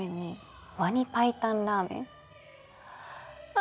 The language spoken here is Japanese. あ？